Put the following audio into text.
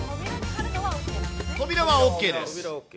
扉はＯＫです。